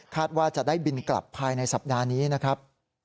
ว่าจะได้บินกลับภายในสัปดาห์นี้นะครับ